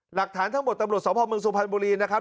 หลักฐานทั้งหมดตำรวจสพเมืองสุพรรณบุรีนะครับ